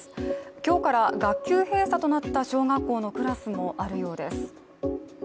今日から学級閉鎖となった小学校のクラスもあるようです。